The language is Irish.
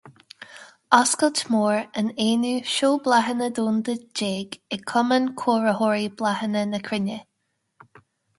Oscailt Mór an aonú Seó Bláthanna Domhanda déag ag Cumann Cóiritheoirí Bláthanna na Cruinne.